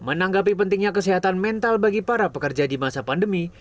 menanggapi pentingnya kesehatan mental bagi para pekerja di masa pandemi